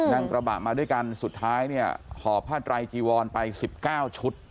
นั่งกระบะมาด้วยกันสุดท้ายเนี่ยห่อผ้าไตรจีวรไป๑๙ชุด